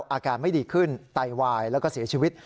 อาการไม่ดีขึ้นไตวายแล้วก็เสียชีวิต